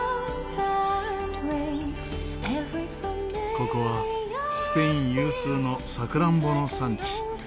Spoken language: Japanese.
ここはスペイン有数のさくらんぼの産地。